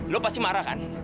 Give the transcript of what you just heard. lo pasti marah kan